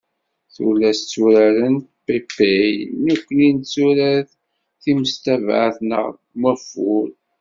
Tullas tturarent paypay, nekkni netturar timestabeɛt neɣ maffur.